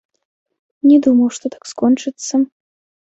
Не думаў, што так скончыцца.